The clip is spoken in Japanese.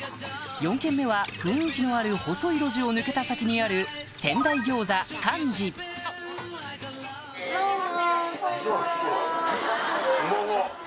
４軒目は雰囲気のある細い路地を抜けた先にあるどうも。